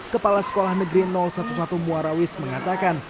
kepala sekolah negeri sebelas muarawis mengatakan